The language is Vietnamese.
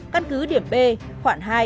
căn cứ điểm b khoảng hai